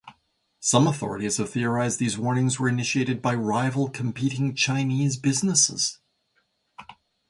Some authorities have theorized these warnings were initiated by rival competing Chinese businesses.